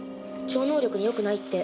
超能力によくないって。